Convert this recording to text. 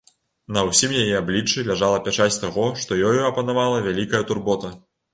На ўсім яе абліччы ляжала пячаць таго, што ёю апанавала вялікая турбота.